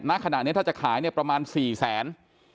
ณขณะนี้ถ้าจะขายเนี่ยประมาณ๔แสน